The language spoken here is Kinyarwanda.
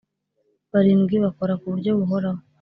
barindwi bakora ku buryo buhoraho